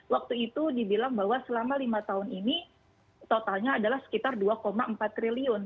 waktu itu dibilang bahwa selama lima tahun ini totalnya adalah sekitar dua empat triliun